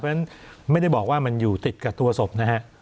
เพราะฉะนั้นไม่ได้บอกว่ามันอยู่ติดกับตัวศพนะฮะ